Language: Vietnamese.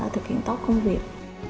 thực hiện tốt công việc